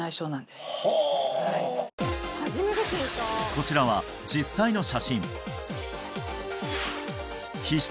こちらは実際の写真皮質